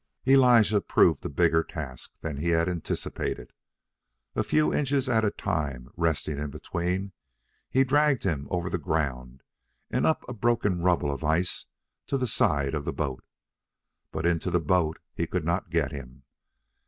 Elijah proved a bigger task than he had anticipated. A few inches at a time, resting in between, he dragged him over the ground and up a broken rubble of ice to the side of the boat. But into the boat he could not get him.